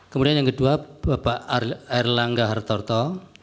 kemudian yang kedua bapak erlangga hartarto